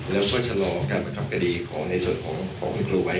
แล้วก็ตระกลอการกองคำกดีของในส่วนของพี่ครูไว้